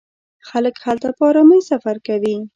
خلک هلته په ارامۍ سفر کوي.